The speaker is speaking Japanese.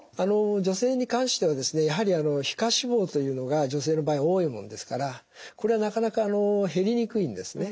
女性に関してはですねやはり皮下脂肪というのが女性の場合多いものですからこれはなかなか減りにくいんですね。